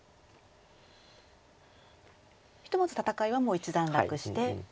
ひとまず戦いはもう一段落して。